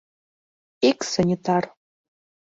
Ик санитар.